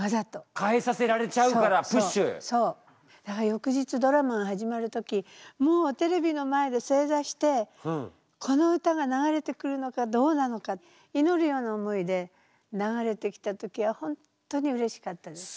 翌日ドラマが始まる時もうテレビの前で正座してこの歌が流れてくるのかどうなのかいのるような思いで流れてきた時は本当にうれしかったです。